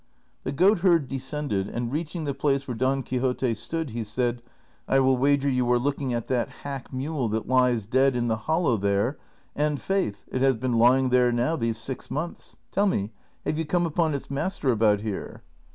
The goatherd descended, and reaching the place where Don Quixote stood, he said, " I will wager you are looking at that hack mule that lies dead in the hollow there, and, faith, it has been lying there now these six months ; tell me, have you come upon its master about here